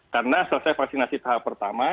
karena selesai vaksinasi tahap pertama